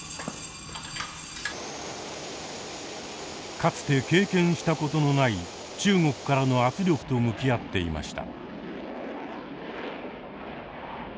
かつて経験したことのない中国からの圧力と向き合っていました。